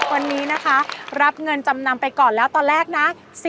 วันนี้นะคะรับเงินจำนำไปก่อนแล้วตอนแรกนะ